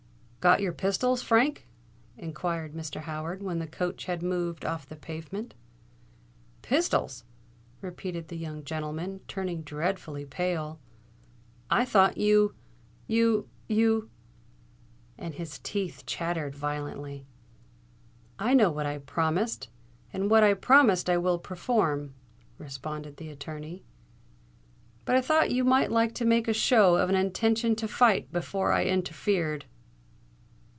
"Got your pistols, Frank?" inquired Mr. Howard, when the coach had moved off the pavement. "Pistols!" repeated the young gentleman, turning dreadfully pale. "I thought you—you—you——" And his teeth chattered violently. "I know what I promised; and what I promised I will perform," responded the attorney. "But I thought you might like to make a show of an intention to fight, before I interfered."